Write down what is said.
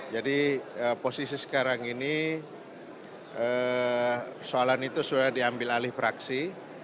jadi posisi sekarang ini soalan itu sudah diambil alih fraksi